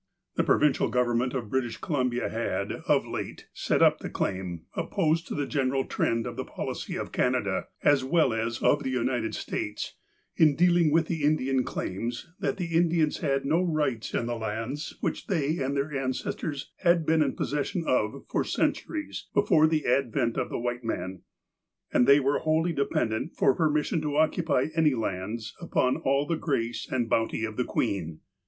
The Provincial Government of British Columbia had, of late, set up the claim, opposed to the general trend of the policy of Canada, as well as of the United States, in dealing with the Indian land claims, that the Indians had no rights in the lauds which they and their ancestors had been in possession of for centuries before the advent of the white man, and that they were wholly dependent for permission to occupy any lands at all upon the grace and bounty of the Queen.